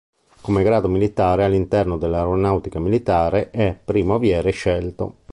Come grado militare all'interno dell'Aeronautica Militare è Primo aviere scelto.